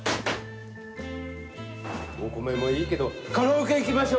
お米もいいけどカラオケ行きましょ！